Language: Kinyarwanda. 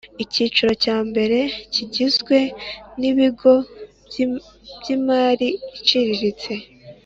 Icyiciro cya mbere kigizwe n ibigo by imari iciriritse